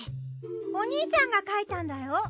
お兄ちゃんが描いたんだよ。